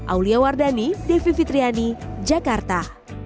aulia wardani devi fitriani jakarta